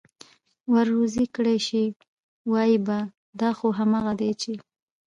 ور روزي كړى شي، وايي به: دا خو همغه دي چې: